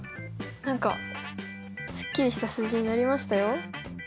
何かすっきりした数字になりましたよ。